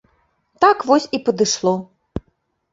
Так вось і падышло.